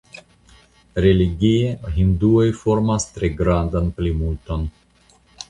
Religie hinduoj formas tre grandan plimulton.